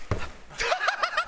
ハハハハ！